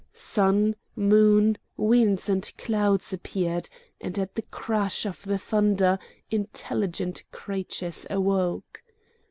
Sun, moon, winds and clouds appeared, and at the crash of the thunder intelligent creatures awoke.